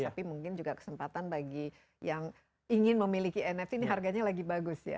tapi mungkin juga kesempatan bagi yang ingin memiliki nft ini harganya lagi bagus ya